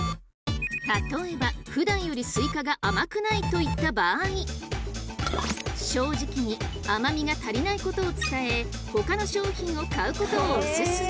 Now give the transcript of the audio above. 例えばふだんよりスイカが甘くないといった場合正直に甘みが足りないことを伝えほかの商品を買うことをおすすめ！